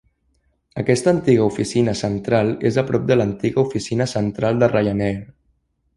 Aquesta antiga oficina central és a prop de l'antiga oficina central de Ryanair.